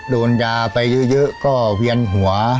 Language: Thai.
โดนยาไปเยอะก็เวียนหัว